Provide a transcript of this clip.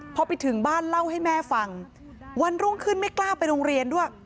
พอไปถึงบ้านเล่าให้แม่ฟังวันรุ่งขึ้นไม่กล้าไปโรงเรียนด้วย